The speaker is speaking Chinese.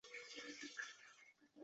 在去世的一年后